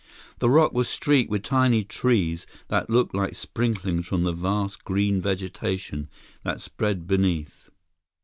The rock was streaked with tiny trees that looked like sprinklings from the vast green vegetation that spread beneath.